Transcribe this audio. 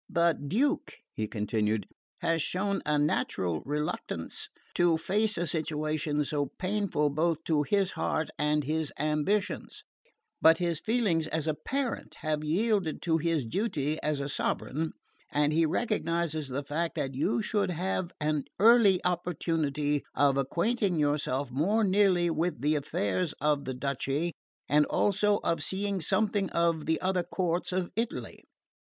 "The Duke," he continued, "has shown a natural reluctance to face a situation so painful both to his heart and his ambitions; but his feelings as a parent have yielded to his duty as a sovereign, and he recognises the fact that you should have an early opportunity of acquainting yourself more nearly with the affairs of the duchy, and also of seeing something of the other courts of Italy.